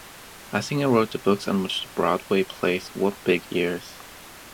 Eisinger wrote the books on which the Broadway plays What Big Ears!